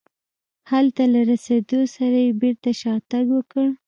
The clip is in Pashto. هلته له رسېدو سره یې بېرته شاتګ وکړ.